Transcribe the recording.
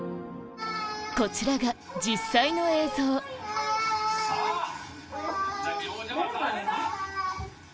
こちらが実際の映像キャ！